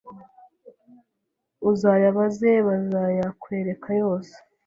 uzayabaze bazaya kwereka yose